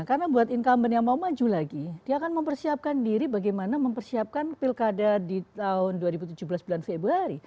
karena buat income yang mau maju lagi dia akan mempersiapkan diri bagaimana mempersiapkan pilkada di tahun dua ribu tujuh belas bulan februari